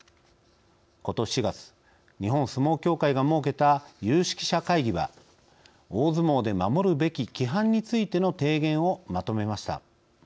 ことし４月日本相撲協会が設けた有識者会議は大相撲で守るべき規範についての提言をまとめました。